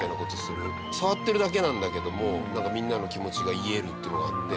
触ってるだけなんだけどもみんなの気持ちが癒えるっていうのがあって。